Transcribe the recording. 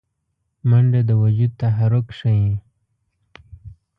منډه د وجود تحرک ښيي